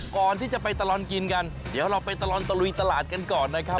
ก่อนที่จะไปตลอดกินกันเดี๋ยวเราไปตลอดตะลุยตลาดกันก่อนนะครับ